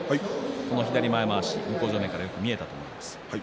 この左前まわし、向正面からよく見えたと思います。